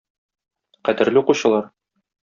Кадерле укучылар!